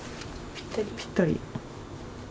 ぴったり？